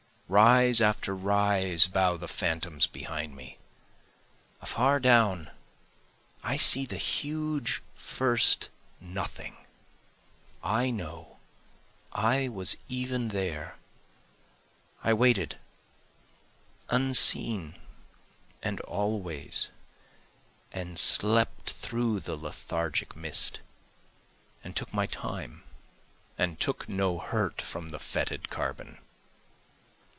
Rise after rise bow the phantoms behind me, Afar down I see the huge first Nothing, I know I was even there, I waited unseen and always, and slept through the lethargic mist, And took my time, and took no hurt from the fetid carbon.